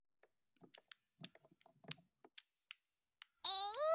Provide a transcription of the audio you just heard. うん！